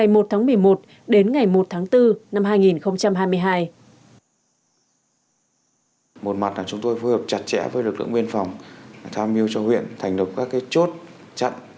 một mặt là chúng tôi phối hợp chặt chẽ với lực lượng biên phòng tham mưu cho huyện thành được các chốt chặn